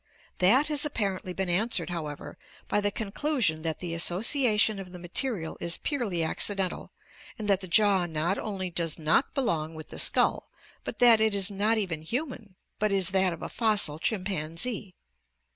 That has appar ently been answered, however, by the conclusion that the associa tion of the material is purely accidental and that the jaw not only does not belong with the skull but that it is not even human but is that of a fossil chimpanzee.